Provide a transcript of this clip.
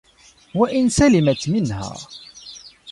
وَإِنْ سَلِمَتْ مِنْهَا